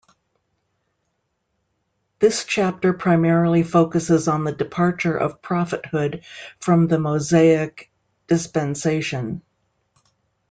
This chapter primarily focuses on the departure of prophethood from the Mosaic dispensation.